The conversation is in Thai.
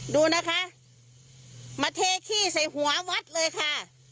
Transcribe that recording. ดูนะคะมาเทขี้ใส่หัววัดเลยค่ะ